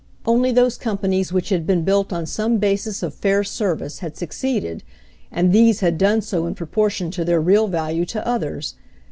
Only those companies which had been built on some basis of fair service had sue THE EUROPEAN WAR 175 ceeded, and these had done so in proportion to their real value to others.